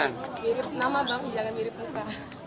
mirip nama bang jangan mirip muka